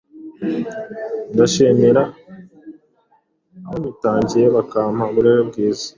Ndashimira abanyitangiye bakampa uburere bwiza,